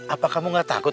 apa kamu gak takut